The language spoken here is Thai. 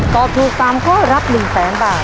ตอบถูกสามข้อรับหนึ่งแสนบาท